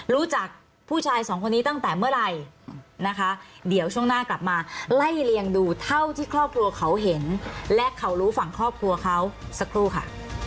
รู้จักผู้ชายสองคนนี้ตั้งแต่เมื่อไหร่นะคะเดี๋ยวช่วงหน้ากลับมาไล่เลียงดูเท่าที่ครอบครัวเขาเห็นและเขารู้ฝั่งครอบครัวเขาสักครู่ค่ะ